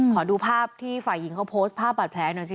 ขอดูภาพที่ฝ่ายหญิงเขาโพสต์ภาพบาดแผลหน่อยสิ